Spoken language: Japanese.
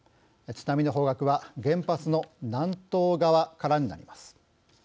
津波の方角は原発の南東側からになります。